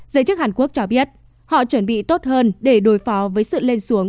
giới chức hàn quốc cho biết họ chuẩn bị tốt hơn để đối phó với sự lên xuống